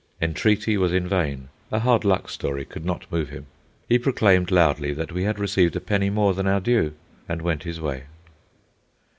Entreaty was in vain. A hard luck story could not move him. He proclaimed loudly that we had received a penny more than our due, and went his way.